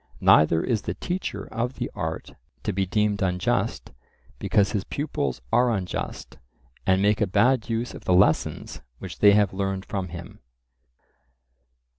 Neither is the teacher of the art to be deemed unjust because his pupils are unjust and make a bad use of the lessons which they have learned from him.